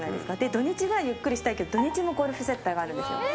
土日はゆっくりしたいけど土日もゴルフ接待があるんです。